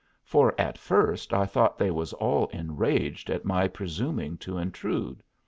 For at first I thought they was all enraged at my presuming to intrude.